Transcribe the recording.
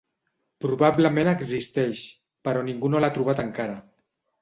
Probablement existeix, però ningú no l'ha trobat encara.